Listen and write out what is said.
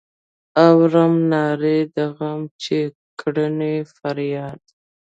اورم نارې د غم چې کړینه فریاد.